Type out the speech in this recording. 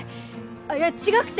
あっいや違くて！